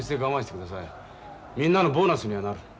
みんなのボーナスにはなる。